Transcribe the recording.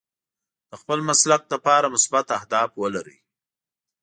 د خپل مسلک لپاره مثبت اهداف ولرئ.